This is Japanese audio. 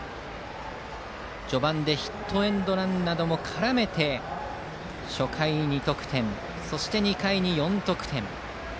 序盤でヒットエンドランなども絡めて初回に２得点そして、その後４得点。